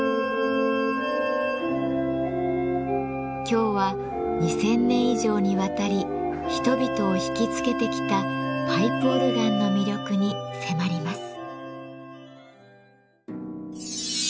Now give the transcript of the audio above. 今日は２，０００年以上にわたり人々を引きつけてきたパイプオルガンの魅力に迫ります。